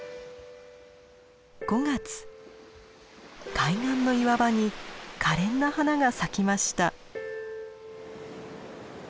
海岸の岩場にかれんな花が咲きました。